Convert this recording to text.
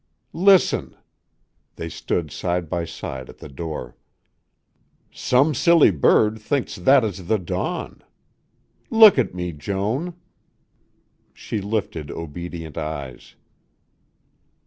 "Listen!" They stood side by side at the door. "Some silly bird thinks that is the dawn. Look at me, Joan!" She lifted obedient eyes.